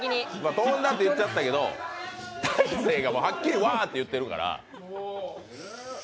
飛んだって言っちゃったけど、大晴がはっきり、わーって言うてるから。